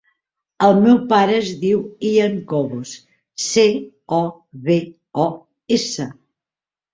El meu pare es diu Ian Cobos: ce, o, be, o, essa.